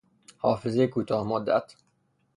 حافظهی کوتاه مدت